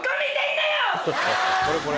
これこれ。